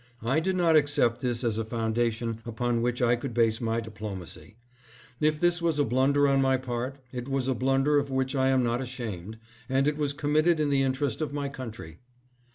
I did not accept this as a foundation upon which I could base my diplo macy. If this was a blunder on my part, it was a blunder of which I am not ashamed, and it was com mitted in the interest of my country.